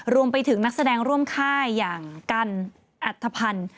รวมไปถึงนักแสดงร่วมค่ายอย่างกันอัธพันธ์